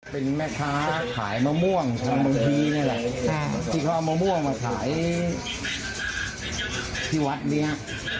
เป็นแม่ค้าขายมะม่วงบางทีนี่แหละที่เขาเอามะม่วงมาขายที่วัดเนี้ย